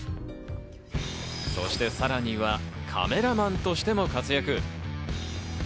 そしてさらにはカメラマンとしても活躍。